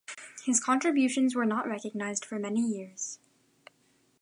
His contributions were not recognized for many years.